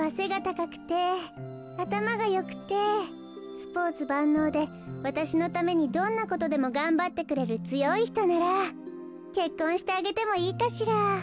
かくてあたまがよくてスポーツばんのうでわたしのためにどんなことでもがんばってくれるつよいひとならけっこんしてあげてもいいかしら。